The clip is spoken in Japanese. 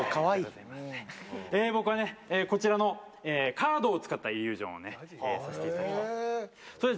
僕はこちらのカードを使ったイリュージョンをさせていただきたいと思います。